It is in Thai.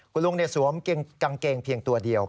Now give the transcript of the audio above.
คุณลุงสวมกางเกงเพียงตัวเดียว